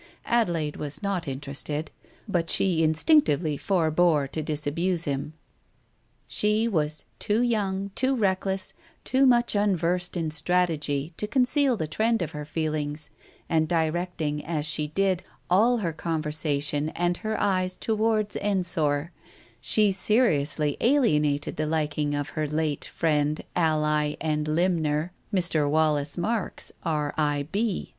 Adelaide was not interested, but she instinctively forebore to disabuse him. She was too young, too reckless, too much unversed in strategy, to conceal the trend of her feelings and directing, as she did, all her conversation and her eyes towards Ensor, she seriously alienated the liking of her late friend, ally and limner, Mr. Wallace Marks, R.I.B.